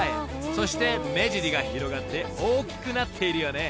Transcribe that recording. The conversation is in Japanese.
［そして目尻が広がって大きくなっているよね］